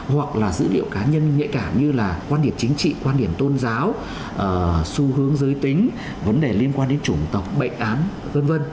hoặc là dữ liệu cá nhân nhạy cảm như là quan điểm chính trị quan điểm tôn giáo xu hướng giới tính vấn đề liên quan đến chủng tộc bệnh án v v